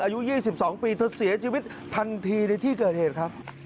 อายุ๒๒ปีเธอเสียชีวิตทันทีในที่เกิดเหตุครับ